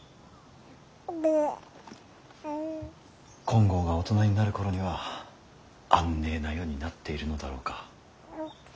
金剛が大人になる頃には安寧な世になっているのだろうか。